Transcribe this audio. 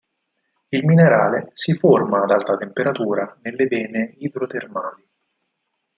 Il minerale si forma ad alta temperatura nelle vene idrotermali.